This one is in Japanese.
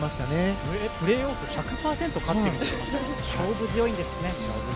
プレーオフ１００％勝っているって勝負強いんですね。